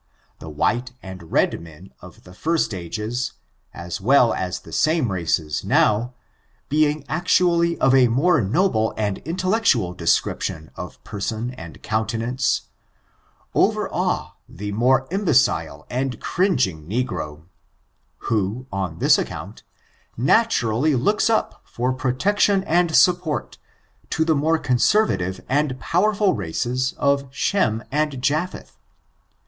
The while and red men of the first ages, as well as the same races nowj being actually of a more noble and intellectual description of p^r^on andcotm tenance, overawe the more imbecile and cringing ne gro, who, on this account, naturally looks up for pro tection and support to the more conservative and powerful races of Shem and Japheth.